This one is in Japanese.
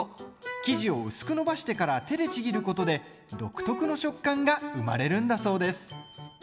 生地を薄く伸ばしてから手でちぎることで独特の食感が生まれるんだそうです。